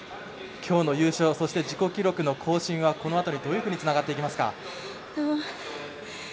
きょうの優勝そして自己記録の更新はこのあとに、どういうふうにつながっていきますか？